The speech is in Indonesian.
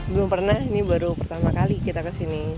belum pernah ini baru pertama kali kita ke sini